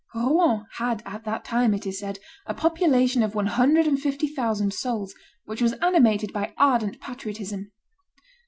Rouen had at that time, it is said, a population of one hundred and fifty thousand souls, which was animated by ardent patriotism.